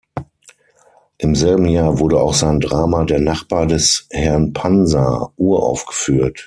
Im selben Jahr wurde auch sein Drama "Der Nachbar des Herrn Pansa" uraufgeführt.